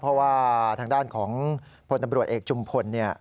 เพราะว่าทางด้านของพลตำรวจเอกจุมพลเนี่ย